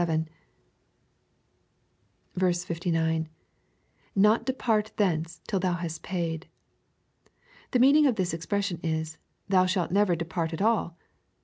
— [Not depart thence^ till thou hast paid^ The meaning of this expression is, " Thou shalt never depart at all."